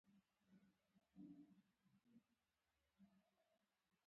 لرګی د بڼ لپاره څوکۍ جوړوي.